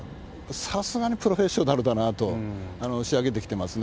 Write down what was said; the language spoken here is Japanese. さすがにプロフェッショナルだなと、仕上げてきてますね。